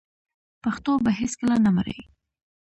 پښتو به هیڅکله نه مري.